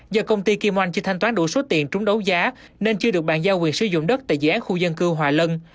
do công ty kim oanh chưa thanh toán đủ số tiền trúng đấu giá nên chưa được bàn giao quyền sử dụng đất tại dự án khu dân cư hòa lân